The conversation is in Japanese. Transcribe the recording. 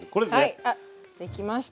はいできました。